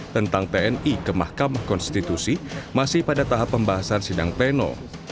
tentang tni ke mahkamah konstitusi masih pada tahap pembahasan sidang pleno